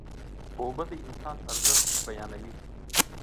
اوبه د انسان ارزښت بیانوي.